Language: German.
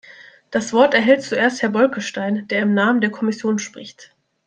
Das Wort erhält zuerst Herr Bolkestein, der im Namen der Kommission spricht.